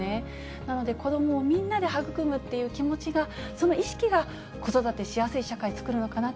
なので、子どもをみんなではぐくむっていう気持ちが、その意識が、子育てしやすい社会を作るのかな